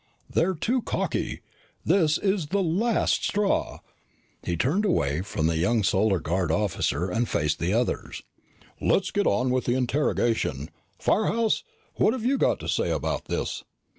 They're too cocky. This is the last straw." He turned away from the young Solar Guard officer and faced the others. "Let's get on with the interrogation. Firehouse! What have you got to say about this?"